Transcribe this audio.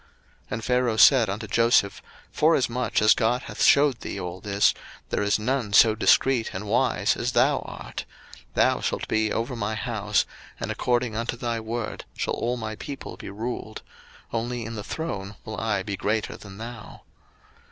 01:041:039 And Pharaoh said unto Joseph, Forasmuch as God hath shewed thee all this, there is none so discreet and wise as thou art: 01:041:040 Thou shalt be over my house, and according unto thy word shall all my people be ruled: only in the throne will I be greater than thou.